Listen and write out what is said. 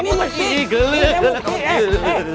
ini bukti ini bukti eh